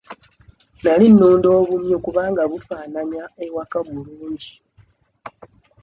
Nali nunda obumyu kubanga bufaananya ewaka bulungi.